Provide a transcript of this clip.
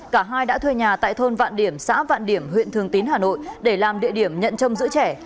cả hai đã thuê nhà tại thôn vạn điểm xã vạn điểm huyện thường tín hà nội để làm địa điểm nhận trông giữ trẻ